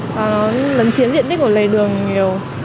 và nó lấn chiếm diện tích của lề đường nhiều